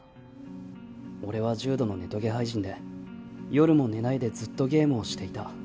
俺は重度のネトゲ廃人で夜も寝ないでずっとゲームをしていた